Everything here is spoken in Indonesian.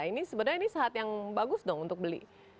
ini sebenarnya ini saat yang bagus dong untuk beli